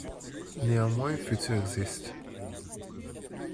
Néanmoins un futur existe.